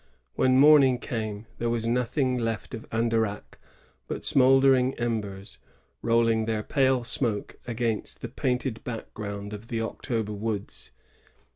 When morning came, there was nothing left of Andaraqu* but smouldering embere, rolling their pale smoke against the painted background of the October woods.